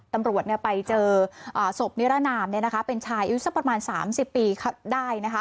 ตำรวจไปเจอศพนิรนามเป็นชายอายุสักประมาณ๓๐ปีได้นะคะ